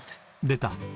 出た！